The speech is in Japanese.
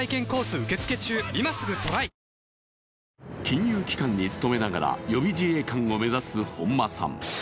金融機関に勤めながら予備自衛官を目指す本間さん。